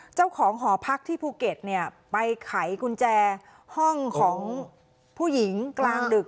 เจ้าของหอพักที่ภูเก็ตเนี่ยไปไขกุญแจห้องของผู้หญิงกลางดึก